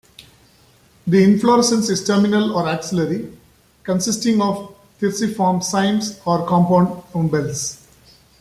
The inflorescence is terminal or axillary, consisting of thyrsiform cymes or compound umbels.